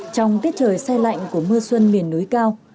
trong tiết trời xe lạnh của mưa xuân miền núi cao